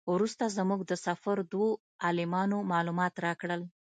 وروسته زموږ د سفر دوو عالمانو معلومات راکړل.